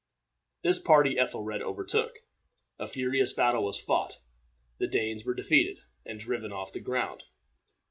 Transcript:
This party Ethelred overtook. A furious battle was fought. The Danes were defeated, and driven off the ground.